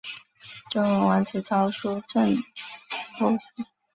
周文王子曹叔振铎后裔。